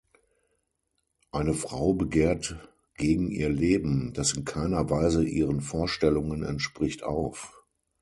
Eine Frau begehrt gegen ihr Leben, das in keiner Weise ihren Vorstellungen entspricht, auf.